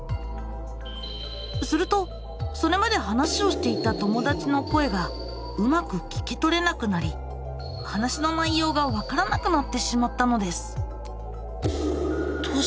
するとそれまで話をしていた友だちの声がうまく聞き取れなくなり話の内容がわからなくなってしまったのです。